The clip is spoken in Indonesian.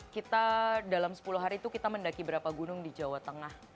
kita dalam sepuluh hari itu kita mendaki berapa gunung di jawa tengah